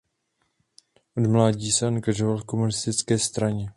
Od mládí se angažoval v komunistické straně.